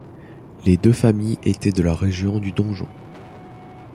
Les deux familles étaient de la région du Donjon.